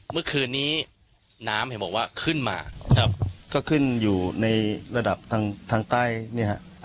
เมื่อคืนนี้น้ำเห็นบอกว่าขึ้นมาครับก็ขึ้นอยู่ในระดับทางทางใต้เนี่ยฮะ